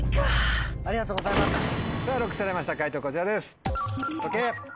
さぁＬＯＣＫされました解答こちらです。